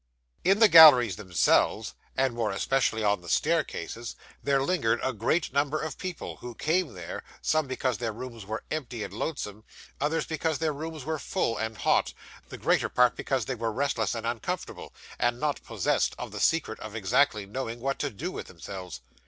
In the galleries themselves, and more especially on the stair cases, there lingered a great number of people, who came there, some because their rooms were empty and lonesome, others because their rooms were full and hot; the greater part because they were restless and uncomfortable, and not possessed of the secret of exactly knowing what to do with themselves.